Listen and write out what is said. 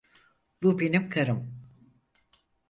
Bu benim karım.